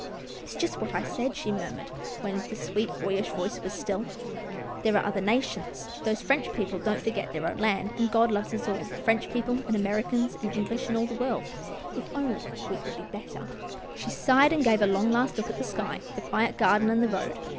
" It's just what I said," she murmured, when the sweet, boyish voice was still. " There're other nations. Those French people don't forget their own land, and God loves us all — French people, and Americans, and English, and all the world — If only we could be better !" She sighed, gave a long, last look at the sky, the quiet garden, and the road.